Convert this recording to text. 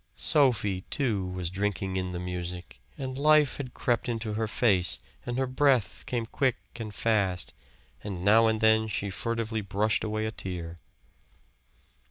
Sophie, too, was drinking in the music, and life had crept into her face, and her breath came quick and fast, and now and then she furtively brushed away a tear.